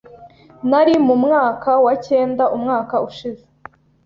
Nari mu mwaka wa cyenda umwaka ushize.